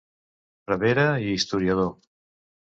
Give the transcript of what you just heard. Prevere i historiador.